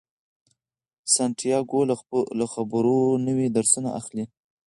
سانتیاګو له خبرو نوي درسونه اخلي.